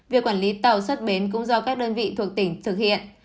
việc quản lý tàu xuất bến cũng do các đơn vị thuộc tỉnh thực hiện